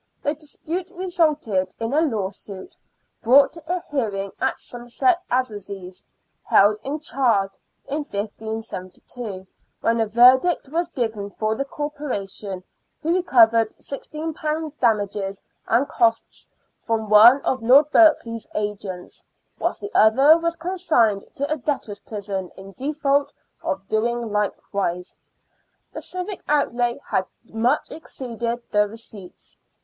The dispute resulted in a law suit, brought to a hearing at Somerset Assizes, held at Chard in 1572, when a verdict was given for the Corporation, who recovered £16 damages and costs from one of Lord Berkeley's agents, whilst the other was consigned to a debtor's prison in default of doing likewise. The civic outlay had much exceeded the receipts.